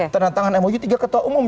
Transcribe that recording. tanda tangan mou tiga ketua umum